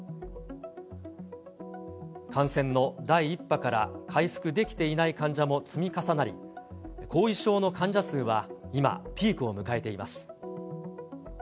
感染の第１波から回復できていない患者も積み重なり、後遺症の患者数は今、ピークを迎えています。